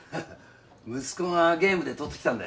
息子がゲームで取ってきたんだよ。